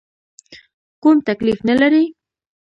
کوم تکلیف نه لرې؟